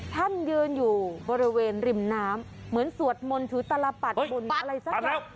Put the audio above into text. ท่านยืนอยู่บริเวณริมน้ำเหมือนสวดมนต์ถือตลปัดบุญอะไรสักอย่าง